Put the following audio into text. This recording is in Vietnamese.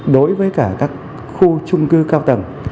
đối với các khu trung cư cao tầng